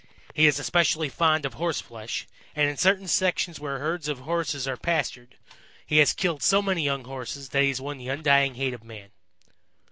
He is especially fond of Horse flesh, and in certain sections where herds of Horses are pastured, he has killed so many young Horses that he has won the undying hate of man.